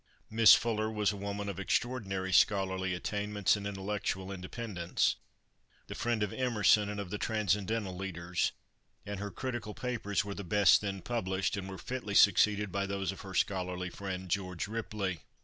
Miss Fuller was a woman of extraordinary scholarly attainments and intellectual independence, the friend of Emerson and of the "transcendental" leaders, and her critical papers were the best then published, and were fitly succeeded by those of her scholarly friend, George Ripley.